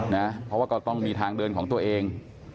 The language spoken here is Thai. เพราะว่าก็ต้องมีทางเดินของตัวเอง